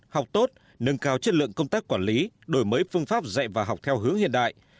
học tốt nâng cao chất lượng công tác quản lý đổi mới phương pháp dạy và học theo hướng hiện đại